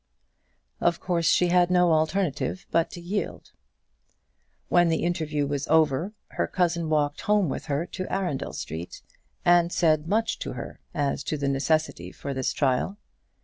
Of course she had no alternative but to yield. When the interview was over, her cousin walked home with her to Arundel Street, and said much to her as to the necessity for this trial.